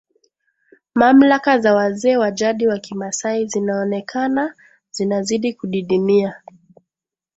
mamlaka za wazee wa jadi wa Kimasai zinaonekana zinazidi kudidimia